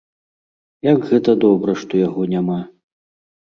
Як гэта добра, што яго няма!